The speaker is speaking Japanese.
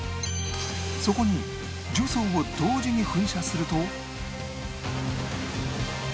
そこに重曹を同時に噴射すると